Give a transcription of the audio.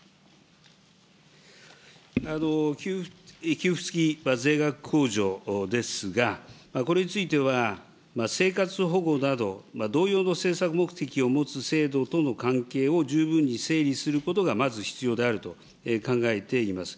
給付付き税額控除ですが、これについては、生活保護など、同様の政策目的を持つ制度との関係を十分に整理することがまず必要であると考えています。